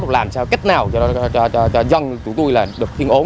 làm sao cách nào cho dân tụi tui là được thiên ổn